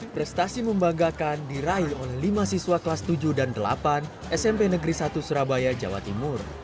prestasi membanggakan diraih oleh lima siswa kelas tujuh dan delapan smp negeri satu surabaya jawa timur